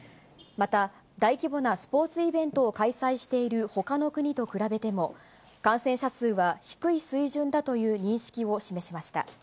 また、大規模なスポーツイベントを開催しているほかの国と比べても、感染者数は低い水準だという認識を示しました。